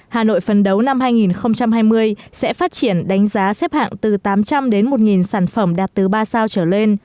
hà nội phấn đấu năm hai nghìn hai mươi sẽ phát triển đánh giá xếp hạng từ tám trăm linh đến một sản phẩm đạt từ ba sao trở lên